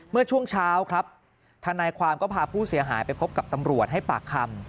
เมื่อช่วงเช้าครับทนายความก็พาผู้เสียหายไปพบกับตำรวจให้ปากคำ